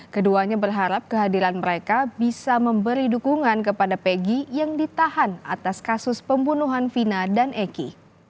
keduanya berharap kehadiran mereka bisa memberi dukungan kepada pegi yang ditahan atas kasus pembunuhan vina dan eki